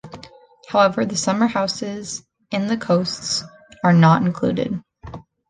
However, the summer houses in the coasts are not included.